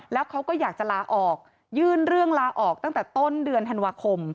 แล้วเขาก็อยากจะลาออกยื่นเรื่องลาออกตั้งแต่ต้นเดือนธันวาคม